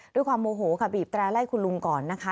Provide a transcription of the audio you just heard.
ด้วยความโมโหค่ะบีบแตร่ไล่คุณลุงก่อนนะคะ